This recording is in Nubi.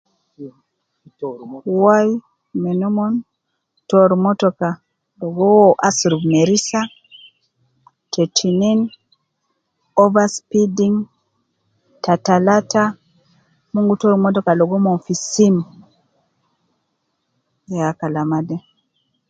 Wai min omon tooru motoka ligo uwo asurub merisa, te tinin over speeding ,ta talata mon gi totu motoka logo omon fi sim, ya kalama de